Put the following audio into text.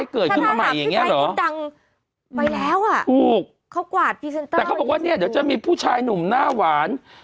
เกิดขึ้นมากับช็อกภูมิภูมิคุณผู้ชายหนุ่มหน้าหวาน